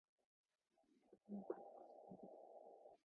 沖縄県石垣市